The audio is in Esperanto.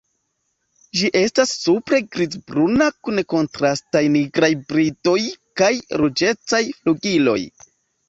Ĝi estas supre grizbruna kun kontrastaj nigraj bridoj kaj ruĝecaj flugiloj.